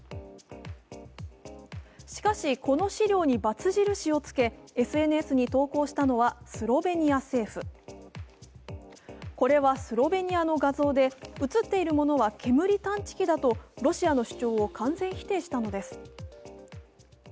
しかし、この資料にバツ印をつけＳＮＳに投稿したのはスロベニア政府これはスロベニアの画像で、写っているものは煙探知機だとロシアの主張を完全否定したのです。